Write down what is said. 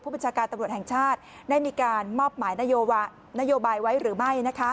ประชาการตำรวจแห่งชาติได้มีการมอบหมายนโยบายไว้หรือไม่